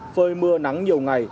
phơi mưa nắng nhiều ngày